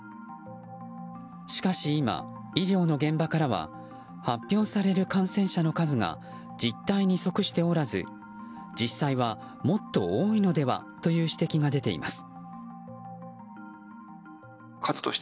しかし今、医療の現場からは発表される感染者の数が実態に即しておらず実際は、もっと多いのではという指摘が出ています。